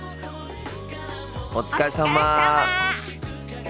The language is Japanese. お疲れさま。